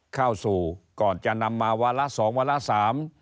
เข้าสู่ก่อนจะนำมาวาระ๒วาระ๓